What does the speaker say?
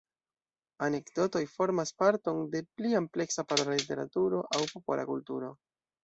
Anekdotoj formas parton de pli ampleksa parola literaturo aŭ popola kulturo.